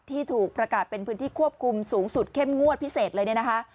ที่ถูกประกาศเป็นพื้นที่ควบคุมสูงสุดเข้มงวดพิเศษเลยเนี่ยนะคะ